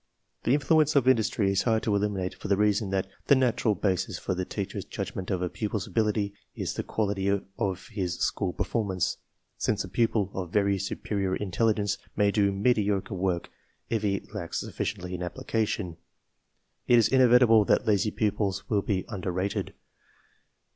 The influ ence of industry is hard to eliminate for the reason that the natural basis for the teacher's judgment of a pupil's ability is the quality of his school performance. Since a pupil of very superior intelligence may do mediocre THE PROBLEM 13 work, if he lacks sufficiently in application, it is in evitable that lazy pupils will be under rated.